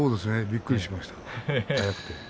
びっくりしました。